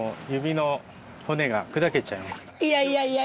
いやいやいや。